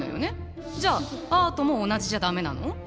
じゃあアートも同じじゃ駄目なの？